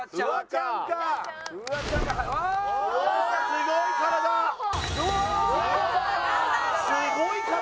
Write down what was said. すごい体。